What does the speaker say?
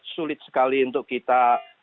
sulit sekali untuk kita